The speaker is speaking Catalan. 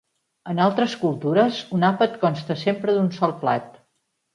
En altres cultures un àpat consta sempre d'un sol plat.